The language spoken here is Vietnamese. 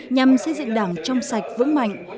nhằm xây dựng đảng trong sạch vững mạnh